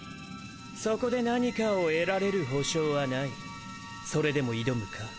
そこで何かを得られる保証はないそれでも挑むか？